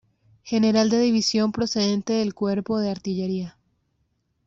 General de división procedente del Cuerpo de Artillería.